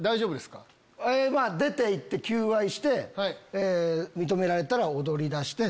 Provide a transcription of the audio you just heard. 出て行って求愛して認められたら踊りだして。